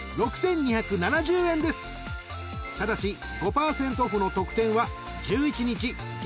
［ただし５％オフの特典は１１日月曜日まで］